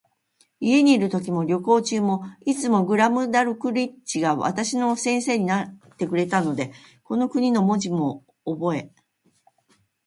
家にいるときも、旅行中も、いつもグラムダルクリッチが私の先生になってくれたので、この国の文字もおぼえ、